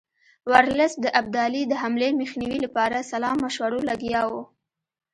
ورلسټ د ابدالي د حملې مخنیوي لپاره سلا مشورو لګیا وو.